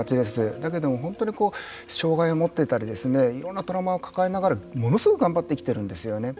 だけども障害を持っていたりいろんなトラウマを抱えながらものすごく頑張って生きているんですね。